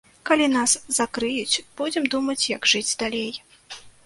Калі нас закрыюць, будзем думаць, як жыць далей.